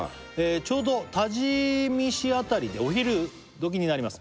「ちょうど多治見市辺りでお昼どきになります」